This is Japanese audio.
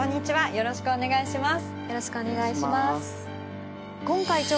よろしくお願いします。